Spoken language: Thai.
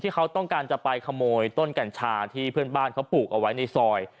เขาต้องการจะไปขโมยต้นกัญชาที่เพื่อนบ้านเขาปลูกเอาไว้ในซอย